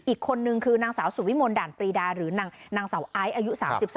อีกคนนึงคือนางสาวสุวิมลด่านปรีดาหรือนางสาวไอซ์อายุ๓๓